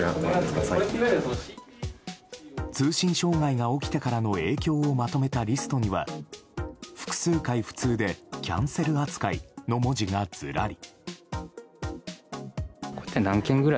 通信障害が起きてからの影響をまとめたリストには複数回不通でキャンセル扱いの文字がずらり。